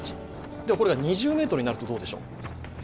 これが２０メートルになるとどうでしょう。